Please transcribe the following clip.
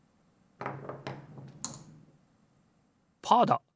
パーだ！